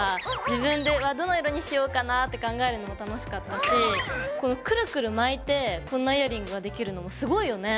自分で「どの色にしようかな」って考えるのも楽しかったしこのクルクル巻いてこんなイヤリングができるのもすごいよね！